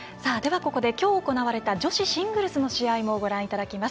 ここで、きょう行われた女子シングルスの試合もご覧いただきます。